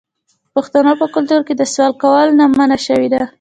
د پښتنو په کلتور کې د سوال کولو نه منع شوې ده.